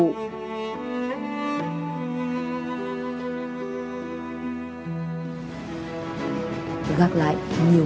gặp lại nhiều người huy riêng cư sẵn sàng đối diện với hiểu huy